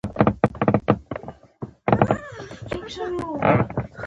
تنوع د افغانستان د انرژۍ سکتور برخه ده.